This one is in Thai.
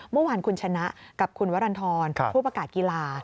เมื่อวานคุณชนะกับคุณวรรณฑรผู้ประกาศกีฬา